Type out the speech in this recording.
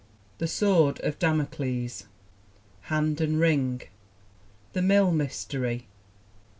The Sword of Damocles. Hand and Ring. The Mill Mystery.